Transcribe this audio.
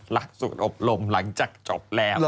หลักสูตรอบรมหลังจากจบแล้ว